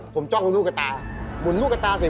ผมจ้องลูกกระตาหมุนลูกกระตาใส่ผมอีก